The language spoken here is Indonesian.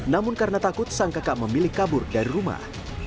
namun karena takut sang kakak memilih kabur dari rumah